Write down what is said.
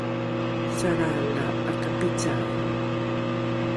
salra la ’akapicae